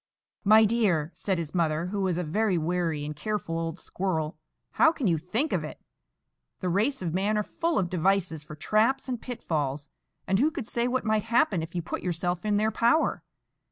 "My dear," said his mother, who was a very wary and careful old squirrel, "how can you think of it? The race of man are full of devices for traps and pitfalls, and who could say what might happen if you put yourself in their power?